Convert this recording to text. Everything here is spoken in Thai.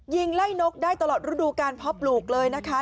ยิงไล่นกได้ตลอดฤดูการเพาะปลูกเลยนะคะ